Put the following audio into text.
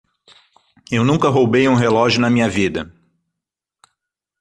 Eu nunca roubei um relógio na minha vida.